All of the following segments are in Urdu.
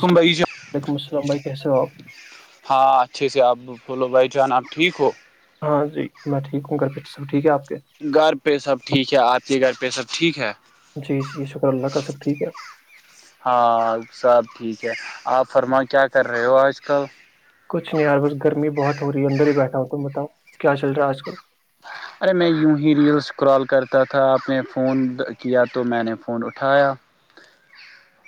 کمبئی ج- وعلیکم السلام بیکی صاحب- ہاں اچھے سے، آپ پھولو بھائی جان آپ ٹھیک ہو- ہاں جی میں ٹھیک ہوں گھر پھر سب ٹھیک ہے آپ کے- گھر پہ سب ٹھیک ہے اپ کے گھر پہ سب ٹھیک ہے- جی- جی شکر اللہ کا سب ٹھیک ہے- ہاں سب ٹھیک ہے آپ فرما کیا کر رہے ہو آج کل- کچھ نہیں ار بس گرمی بہت ہو رہی ہے اندر ہی بیٹھا ہوں تم بتاؤ کیا چل رہا ہے آج کل- ارے میں یوں ہی ریلس کرال کرتا تھا آپ نے فون کیا تو میں نے فون اٹھایا-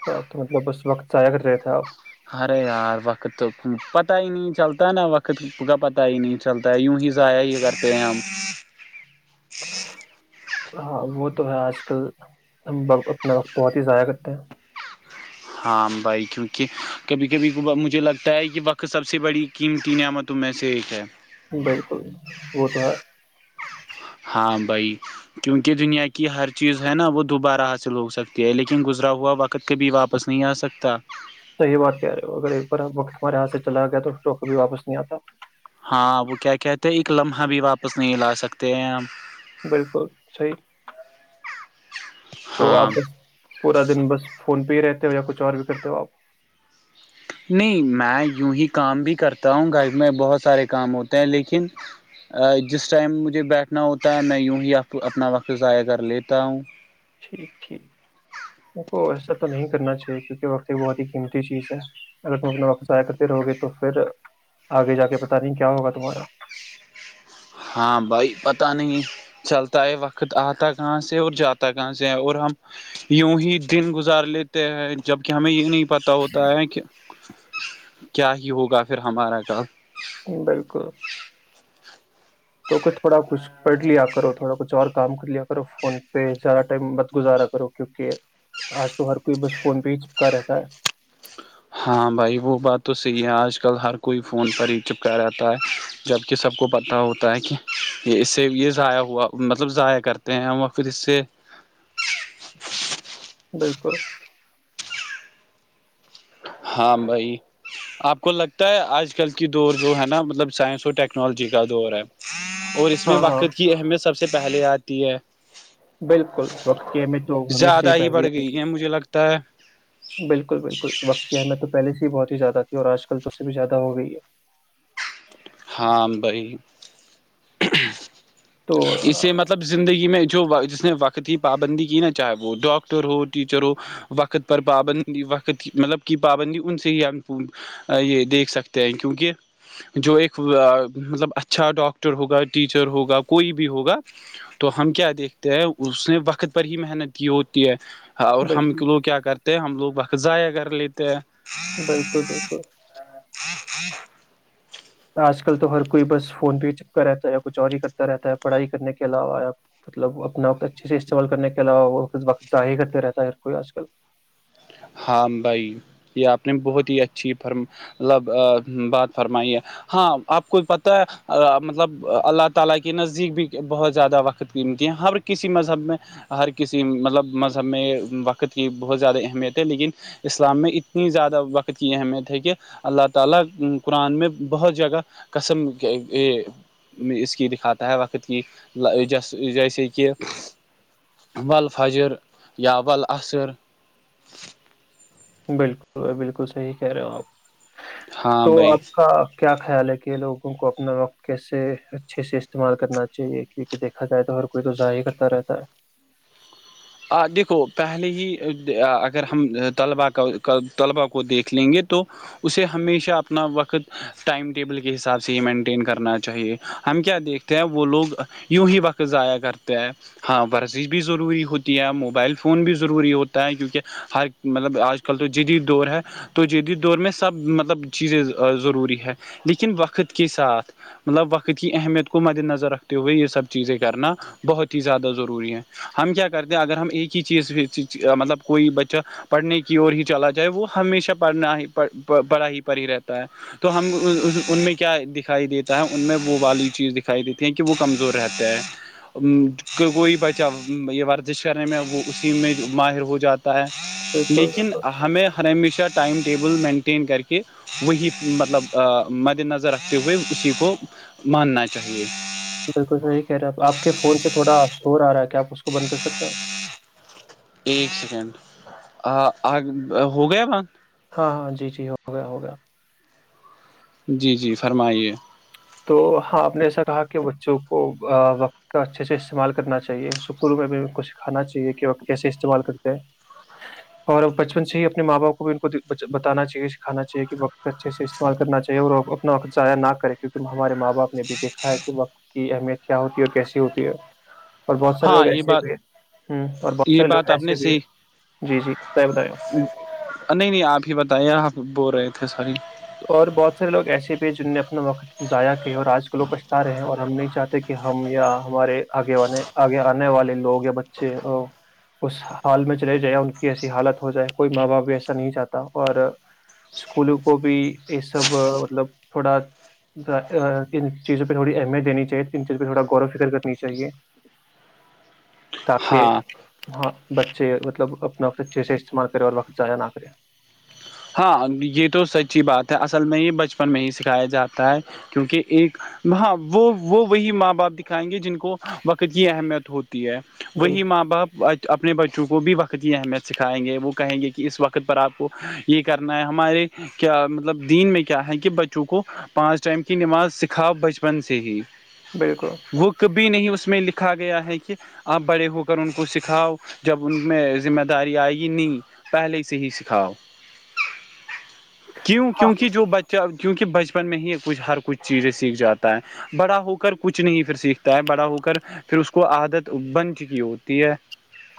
تو مطلب اس وقت ایا کر رہے تھا آپ- ارے یار وقت تو پتا ہی نہیں چلتا نا وقت کا پتا ہی نہیں- چلتا ہے یوں ہی ضائع یہ کرتے ہیں ہم- ہاں وہ تو ہے آج کل ہمت اپنا وقت بہت ہی ضائع کرتے ہیں- ہاں بھائی کیونکہ کبھی کبھی کو مجھے لگتا ہے کہ وقت سب سے بڑی قیمتی نعمت- تو میں سے ایک ہے- بالکل وہ تو ہے- ہاں بائی کیونکہ دنیا کی ہر چیز ہے نا وہ دوبارہ حاصل ہو سکتی ہے لیکن گزرا ہوا وقت- ک کبھی واپس نہیں آ سکتا- تو یہ بات کہہ رہے ہو اگر ایک بارپت تمہارےاتاں سے چلا گیا تو کبھی واپس نہیں آتا- ہاں، وہ کیا کہتے ایک لمحہ بھی واپس نہیں لا سکتے ہیں ہم- بالکل, صحی- تو آپ ہاں بس پورا دن بس فون پہ ہی رہتے ہو یا کچھ اور بھی کرتے ہو آپ- نہیں، میں یوں ہی کام بھی کرتا ہوں گھر اس میں بہت سارے کام ہوتے ہیں لیکن- جس ٹائم مجھے بیٹھنا ہوتا ہے میں یوں ہی آ اپنا وقت ضائع کر لیتا ہوں- ٹھیک- ٹھیک م کو ایسا تو نہیں کرنا چاہیے کیونکہ وقت ایک بہت ہی قیمتی چیز ہے- اگر تم اپنے واقس آیا کرتے رہو گے تو پھر آگے جا کے بتا رہی کیا ہوگا تمہارا- ہاں بھائی پتا نہیں- چلتا ہے، وقت آتا کہاں سے اور جاتا کہاں سے اور ہم- یوں ہی دن گزار لیتے ہیں جب کہ ہمیں یہ نہیں پتا ہوتا ہے کہ- کیا ہی ہوگا پھر ہمارا کل- بالکل تو ک تھوڑا خش- پڑھ لیا کرو، تھوڑا کچھ اور کام کر لیا کرو فون پہ زیادہ ٹائم مت گزارا کرو کیونکہ- آج تو ہر کوئی بس فون پہ ہی چپکا رہتا ہے- ہاں بھائی وہ بات تو صحیح ہے اج کل ہر کوئی فون پر ایک چپ کر اتا ہے - جب کہ سب کو پتہ ہوتا ہے کہ اس سے یہ ضائع ہوا مطلب ضائع کرتے ہیں پھر اس سے- بالک ہاں بھائی- اپ کو لگتا ہے اج کل کی دو جو ہے نا مطلب سائنس اور ٹیکنالوجی کا دور ہے- اور اس میں ہاں ہاں وقت کی اہمیت سب سے پہلے آتی ہے- بالکل، وقت کی امی تو ہمیش ہی زیادہ پہلی- بڑھ گئی ہے مجھے لگتا ہے بالکل- بالکل وقت کی ا میں تو پہلے سے ہی بہت ہی زیادہ تھی اور آج کل تو اس سے بھی زیادہ ہو گئی ہے- ہاں بائی, تو آ، اسے متلب مطلب زندگی میں جو جس نے وقتی پابندی کی نا چاہے وہ ڈاکٹر ہو ٹیچر ہو- وقت پر پابندی وقت مطلب کی پابندی ان سے ہی ہم- یہ دیکھ سکتے ہیں کیونکہ جو ایک- مطلب اچھا ڈاکٹر ہوگا ٹیچر ہوگا کوئی بھی ہوگا تو ہم کیا دیکھتے ہیں اس نے وقت پر ہی محنت کی ہوتی ہے- اور ہم بالکل لوگ کیا کرتے ہیں ہم لوگ بق ضائع کر لیتے ہیں بالکل بالکل ہ ہ آج کل تو ہر کوئی بس فون پہ ہی چپک رہتا ہے یا کچھ اوروری کرتا رہتا ہے پڑھائی کرنے کے علاوہ مطلب اپنا آپ کو اچھے سے استعمال کرنے کے علاوہ وہ وقت ضع کرتے رہتا ہے ہ کوئی آج کل ہاں بھائی یہ آپ نے بہت ہی اچھی فرم ملب بات فرمائیے ہاں آپ کو پتہ ہے مطلب اللہ تعالی کے نزدیک بھی بہت زیادہ وقت قیمتی ہیں ہر کسی مذہب میں ہر کسی مطلب مذہب میں وقت کی بہت زیادہ اہمیت لیکن اسلام میں اتنی زیادہ وقت کی اہمیت ہے کہ اللہ تعالی قرآن میں بہت جگہ کسم اس کی دکھاتا ہے وقت کی جیسے کہ ولفجر یا ول عصر بالکل بھائی بالکل صحیح کہہ رہے ہو آپ ہاں تو بھائی آپ کا کیا خیال ہے کہ لوگوں کو اپنا وقت کیسے اچھے سے استعمال کرنا چاہیے کہ دیکھا جائے تو ہر کوئی تو ضاع ہی کرتا رہتا ہے آ دیکھو پہلے ہی اگر ہم طلبا کا طلباء کو دیکھ لیں گے تو اسے ہمیشہ اپنا وقت ٹائم ٹیبل کے حساب سے ہی مینٹین کرنا چاہیے ہم کیا دیکھتے ہیں وہ لوگ یوں ہی وقت ضائع کرتے ہیں ہاں ورزش بھی ضروری ہوتی موبائل فون بھی ضروری ہوتا ہے کیونکہ ہر مطلب آج کل تو جدید دور ہے تو جدید دور میں سب مطلب چیزیں ضروری ہے لیکن وقت کے ساتھ مطلب وقت کی اہمیت کو مد نظر رکھتے ہوئے یہ سب چیزیں کرنا بہت ہی زیادہ ضروری ہے ہم کیا کرتے ہیں اگر ہم ایک ہی چیز پ مطلب کوئی بچہ پڑھنے کی اور ہی چلا جائے وہ ہمیشہ پڑھنا ہی پڑا ہی پر ہی رہتا ہے تو ہم ان میں کیا دکھائی دیتا ہے ان میں وہ والی چیز دکھائی دیتی ہے کہ وہ کمزور رہتا ہے ا کوئی بچا یہ کرنے میں وہ اسی میں ماہر ہو جاتا ہے بالکل لیکن بالکل ہمیں ہر ہمیشہ ٹائم ٹیبل مینٹین کر کے وہی مطلب مد نظر رکھتے ہوئے اسی کو ماننا چاہیے بالکل صحیح کہہ رہے آپ کے فون سے تھوڑا شور آ رہا ہے کیا آپ اس کو بند کر سکتے ہیں ایک سیکنڈ ہو گیا بدھ ہاں ہاں جی جی ہو گیا ہو گیا جی جی فرمائیے تو ہاں آپ نے ایسا کہا کہ بچوں کو کا اچھے سے استعمال کرنا چاہیے سکروں میں بھی ان کو سکھانا چاہیے کہ وہ کیسے استعمال کرتے ہیں اور بچپن سے ہی اپنے ماں باپ کو بھی ان کو بتانا چاہیے سکھانا چاہیے کہ وقت اچھے سے سوال کرنا چاہیے اور وہ اپناقضاع نہ کرے کیکہ ت ہمارے ماں باپ نے بھی دیکھا ہے کہ وقت کی اہمیت کیا ہوتی ہے اور کیسی ہوتی ہے اور بہت سارے لوگ ہاں یہ ایسے بات بھی ہے ہ اور بہت یہ سارے لوگ بات آپ ایسے نے بھی صحیح ہے جی جی ب بت آپ نہیں نہیں آپ ہی بتائیے آپ بول رہے تھے سوری اور بہت سارے لوگ ایسے بھی جن نے اپنا وقت ضائع کیاے اور آج کے لوگ پچھتا رہے ہیں اور ہم نہیں چاہتے کہ کہ ہم یا ہمارے آگے آگے آنے والے لوگ یا بچے اس حال میں چلے جائے ان کی ایسی حالت ہو جائے کوئی ماں باپ بھی ایسا نہیں جاتتا اور اسکولوں کو بھی یہ سب مطلب تھوڑا ان چیزوں پہ تھوی اہمیت دینی چاہیے تو ان چیزوں پہ تھوڑا غور و فکر کرنی چاہیے تاک کہ ہاں ہاں بچے مطلب اپنا وقت اچھے سے استعمال کرے اور وقت ضائع نہ کرے ہاں یہ تو سچی بات ہے اصل میں ہی بچپن میں ہی سکھایا جاتا ہے کیونکہ ایک ہاں وہ وہ وہی ماں باپ دکھائیں گے جن کو وقت کی اہمیت ہوتی ہے وہی بالکل ماں باپ اچھا اپنی بچوں کو بھی وقت دیا میں سکھائیں گے وہ کہیں گے کہ اس وقت پر اپ کو یہ کرنا ہے ہمارے کیا مطلب دین میں کیا ہے کہ بچوں کو پانچ ٹائم کی نماز سکھا بچپن سے ہی بالکل وہ کبھی نہیں اس میں لکھا گیا ہے کہ آپ بڑے ہو کر ان کو سکھاؤ جب ان میں ذمہ داری آئے گی نہیں پہلے ہی سے ہی سکھاؤ کیوں کیونکہ جو بچہ کیونکہ بچپن میں ہی کچھ ہر کچھ چیزیں سیکھ جاتا ہے بڑا ہو کر کچھ نہیں پھر سیکھتا ہے بڑا ہو کر پھر اس کو عادت بن چکی ہوتی ہے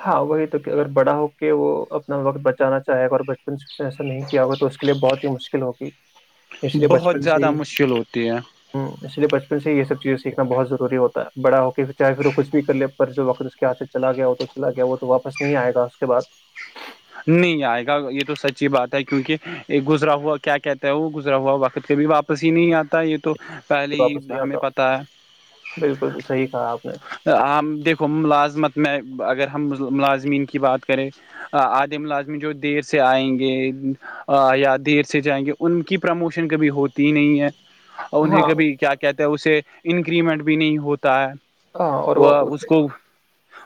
ہاں وہی تو کہ اگر بڑا ہو کے وہ اپنا وقت بچانا چاہے گا اور بچپن سے اس نے ایسا نہیں کیا ہوگا تو اس کے لیے بہت ہی مشکل ہوگی اس لیے بہت بچپن سے زیادہ ہی ہ مشکل ہوتی ہے اس لیے بچپن سے یہ سب چیزیں سیکھنا بہت ضروریتا بڑا ہو کے چاہے پھر وہ کچ بھی کر لے پر جو وقت اس کے ہاتھ سے چلا گیا ہو تو چلا گیا وہ تو واپس نہیں آئے گا اس کے بعد نہیں آئے گا یہ تو سچی بات ہے کیونکہ یہ گزرا ہوا کیا کہتا ہے وہ گزرا ہوا وقت کبھی آپ پسی نہیں آتا یہ تو پہلے ہی واپس نہیں ہمیں آتا پتا ہے بالکل صحیح کہا آپ نے ع دیکھو ملازمت میں اگر ہم ملازمین کی بات کریں آدے ملازم جو دیر سے آئیں گے یا دیر سے جائیں گے ان کی پرموشن کبھی ہوتی ہی نہیں ہے اور انہیں ہاں کبھی کیا کہتے ہیں اسے انکریمنٹ بھی نہیں ہوتا ہے ہاں اور وہ اس ہوتے کو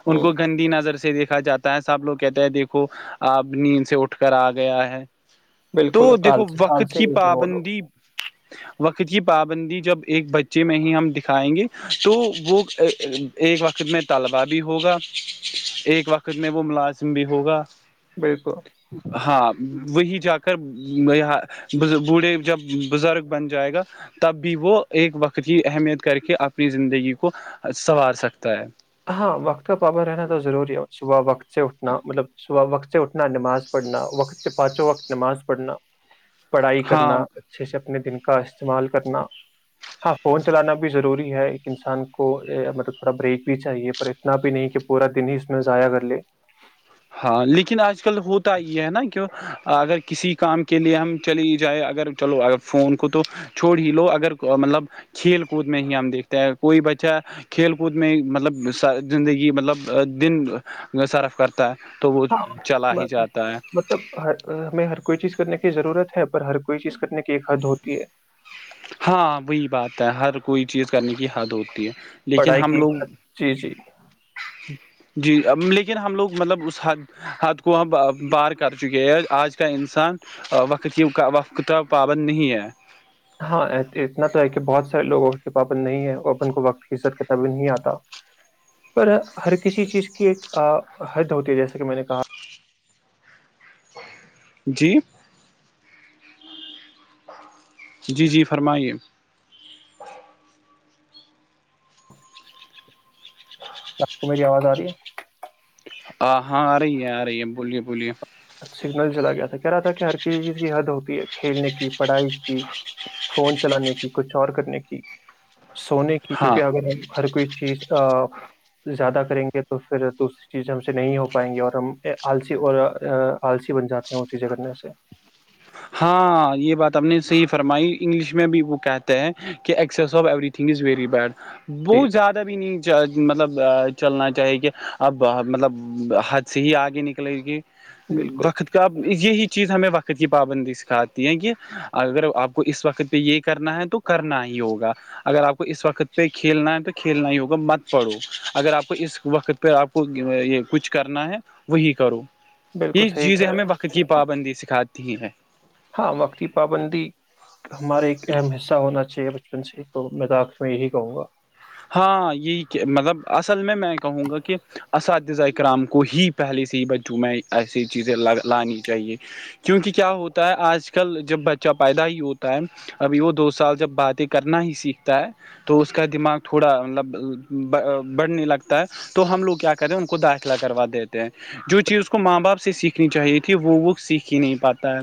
ان ہوں کو گندی نظر سے دیکھا جاتا ہے سب لوگ کہتے ہیں دیکھ کو آب نیند سے اٹھ کر آ گیا ہے بالکل تو دیکھو آلسی وقت آلسی کی ہوتے ہیں وہ پابندی [unintelligible] وقت کی پابندی جب ایک بچے میں ہی ہم دکھائیں گے تو وہ ایک وقت میں طلبا بھی ہوگا ایک وقت میں وہ ملازم بھی ہوگا بالک ہاں وہی جا کراں بوڑھے جب بزرگ بن جائے گا تب بھی وہ ایک وقت کی اہمیت کر کے اپنی زندگی کو سنوار سکتا ہے ہاں وقت کا پابند رہنا تو ضروری ہے صبح وقت سے اٹھنا مطلب صبح وقت سے اٹھنا اپنا نماز پڑھنا وقت سے پانچوں وقت نماز پڑھنا پڑھائی ہاں کرنا اچھے سے اپنے دن کا استعمال کرنا ہاں فون چلانا بھی ضروری ہے ایک انسان کو مطلب تھوڑا بریک چاہیے پر اتنا بھی نہیں کہ پورا دن ہی اس میں ضائع کر لے ہاں لیکن آج کل ہوتا ہی ہے نا کہ اگر کسی کام کے لیے ہم چلی جائیں اگر چلو اگر فون کو تو چھوڑ ہی لو اگر مطلب کھیل کود میں ہی ہم دیکھتے ہیں کوئی بچہ کھیل کود میں مطلب زندگی مطلب دن صرف کرتا ہے تو وہ چلا ہی جاتا ہے ہر ہمیں ہر کوئی چیز کرنے کی ضرورت ہے پر ہر کوئی چیز کرنے کی ایک حد ہوتی ہے ہاں وہی بات ہے ہر کوئی چیز کرنے کی حد ہوتی ہے لیکن پڑھائی ہم کی لوگ ایک حد جی جی جی لیکن ہم لوگ مطلب اس حد حد کوہ بار کر چکے ہیں آج کا انسان وقت کی کا وق پابند نہیں ہے ہاں اتنا تو ہے کہ بہت سارے لوگوں کی پابند نہیں ہے اورن کو وقت فیصد کا تب نہیں آتا پر ہر کسی چیز کی ایک حد ہوتی ہے جیسا کہ میں نے کہا جی جی جی فرمائیے کیا آپ کو میری آواز آ رہی ہے ہ ہاں آ رہی ہے آ رہی ہے بولیے بولیے سگنل چلا گیا تھا کہہ رہا تھا کہ ہر چ چیز کی حد ہوتی ہے کھیلنے کی پڑھائی کی فون چلانے کی کچھ اور کرنے کی سونے [inaudible] کیونکہ اگر ہم ہر کوئی چیز زیادہ کریں گے تو پھر دوسری چیز ہم سے نہیں ہو پائیں گی اور ہم آلسی اور آلسی بن جاتے ہیں وہ چیزیں کرنے سے ہاں یہ بات ہم نے صحیح فرمائی انگلش میں بھی وہ کہتے ہیں کہ excess of everything is very bad جی بہت زیادہ بھی نہیں مطلب چلنا چاہی کہ اب مطلب حد سے ہی آگے نکلے گی بالکل وقت کا اب یہی چیز ہمیں وقت کی پابندی سکھاتی ہے کہ اگر آپ کو اس وقت پہ یہ کرنا ہے تو کرنا ہی ہوگا اگر آپ کو اس وقت پہ کھیلنا ہے تو کھیلنا ہی ہوگا مت پڑو اگر آپ کو اس وقت پ پ آپ کو یہ کچھ کرنا ہے وہی کرو بالکل یہ صحیح چیزیں کہہ رہے ہمیں ہو وقت کی پابندی سکھاتی ہیں ہاں وقتی پابندی ہمارا ایک اہم حصہ ہونا چاہیے بچپن سے ہی تو میں د آخ میں یہی کہوں گا ہاں یہ کہ مطلب اصل میں میں کہوں گا کہ اساتذہ کرام کو ہی پہلے سے ہی بچجوں میں میں ایسی چیزیں لانی چاہیے کیونکہ کیا ہوتا ہے آج کل جب بچہ پیدا ہی ہوتا ہے ابھی وہ دو سال جب باتیں کرنا ہی سیکھتا ہے تو اس کا دماغ تھوڑا مطلب بڑھنے لگتا ہے تو ہم لوگ کیا کرے ہیں ان کو داخلہ کروا دیتے ہیں جو چیز کو ماں باپ سے سیکھنی چاہیے تھی وہ وہ سیکھ ہی نہیں پاتا ہے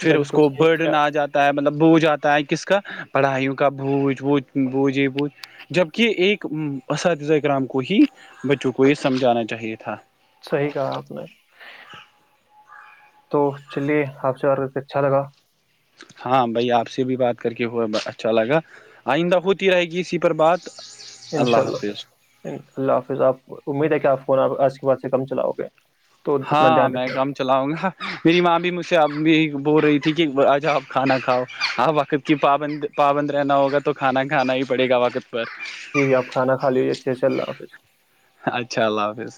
پھر اس بالکل کو صحیح کہہ برڈن رہا آ جاتا مطلب بوجھ آتا ہے کس کا پڑھائیوں کا بوج بوج بوج یہ بوج جبکہ ایک اساتذہ ا کرام کو ہی بچوں کو یہ سمجھانا چاہیے تھا صحیح کہا آپ نے تو چلیے آپ سے بار کر کے اچھا لگا ہاں بھائی آپ سے بھی بات کر کے ہوا اچھا لگا آئندہ ہوتی رہے گی اسی پر بات انشاء اللہ حافظ اللہ اناء اللہ حافظ آپ امید ہے کہ آپ فون آ آج کے بعد سے کم چلاؤ گے تو اپنا ہاں دھیان میں رکھیں کام چلاؤں گا میری ماں بھی مجھ سے اب بھی بول رہی تھی کہ آج آپ کھانا کھاؤ آپ وقت کہ پابند پابند رہنا ہوگا تو کھانا کھانا ہی پڑے گا وقت پر جی آپ کھا کا لییے اچھاء اللہ حافظ اچھا اللہ حافظ